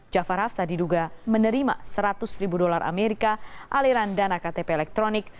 jafar hafsah diduga menerima rp seratus ribu amerika aliran dana ktp elektronik